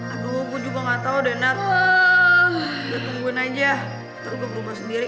aduh gue juga gak tau nat gue tungguin aja nanti gue berubah sendiri